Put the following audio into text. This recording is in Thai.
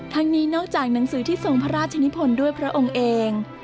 นี้นอกจากหนังสือที่ทรงพระราชนิพลด้วยพระองค์เอง